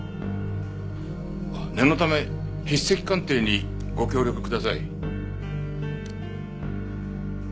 あっ念のため筆跡鑑定にご協力ください。